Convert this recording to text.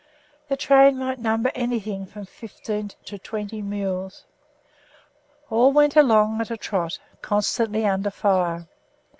The train might number anything from 15 to 20 mules. All went along at a trot, constantly under fire.